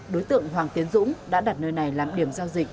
đối tượng hoàng tiến dũng đã đặt nơi này làm điểm giao dịch